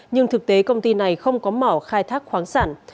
nhưng thực tế công ty này không có mỏ khai thác khoáng sản